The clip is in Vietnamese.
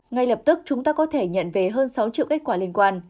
ngay lập tức chúng ta có thể nhận về hơn sáu triệu kết quả liên quan